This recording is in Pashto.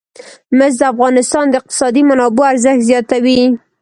مس د افغانستان د اقتصادي منابعو ارزښت زیاتوي.